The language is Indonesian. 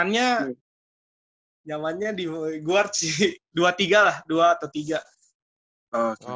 nyalanya di guard sih dua tiga lah dua atau tiga